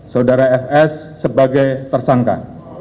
saudara fs sebagai tersangka